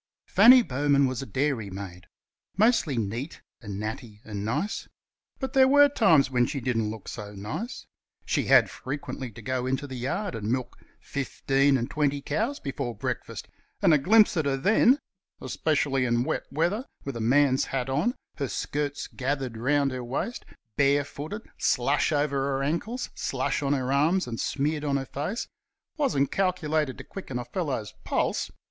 Fanny Bowman was a dairymaid mostly neat and natty and nice. But there were times when she didn't look so nice. She had frequently to go into the yard and milk fifteen and twenty cows before breakfast; and a glimpse at her then especially in wet weather, with a man's hat on, her skirts gathered round her waist, bare footed, slush over her ankles, slush on her arms and smeared on her face wasn't calculated to quicken a fellow's pulse.